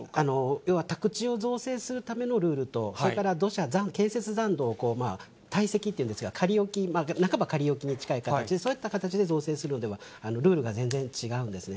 要は宅地を造成するためのルールと、それから建設残土を堆積っていうんですが、仮置き、半ば仮置きに近い形で、そういった形で造成するのでは、ルールが全然違うんですね。